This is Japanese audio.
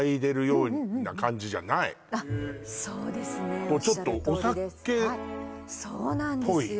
こうちょっとお酒っぽいそうなんですよ